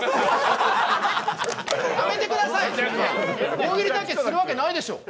大喜利対決するわけないでしょ。